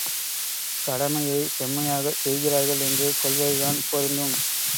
கடமையைச் செம்மையாகச் செய்கிறார்கள் என்று கொல்வதுதான் பொருந்தும்.